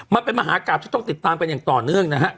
มันเป็นมหากราบที่ต้องติดตามกันอย่างต่อเนื่องนะฮะ